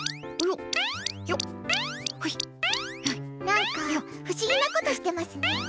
なんか不思議なことしてますね。